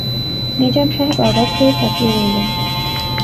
নিজাম সাহেব অবাক হয়ে তাকিয়ে রইলেন।